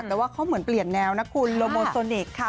แต่ว่าเขาเหมือนเปลี่ยนแนวนะคุณโลโมโซนิกค่ะ